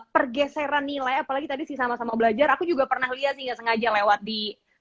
pergeseran nilai apalagi tadi sih sama sama belajar aku juga pernah lihat sih nggak sengaja lewat di